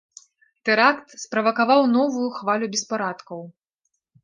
Тэракт справакаваў новую хвалю беспарадкаў.